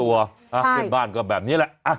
เพื่อนบ้านก็แบบนี้แหละ